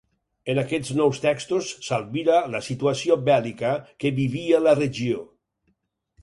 En aquests nous textos s'albira la situació bèl·lica que vivia la regió.